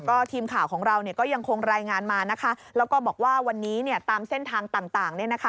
ก็ทีมข่าวของเราเนี่ยก็ยังคงรายงานมานะคะแล้วก็บอกว่าวันนี้เนี่ยตามเส้นทางต่างเนี่ยนะคะ